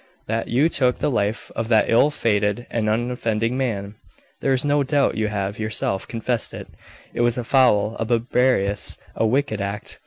That you took the life of that ill fated and unoffending man, there is no doubt; you have, yourself, confessed it. It was a foul, a barbarous, a wicked act.